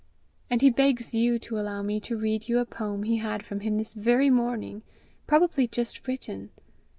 And he begs you to allow me to read you a poem he had from him this very morning probably just written.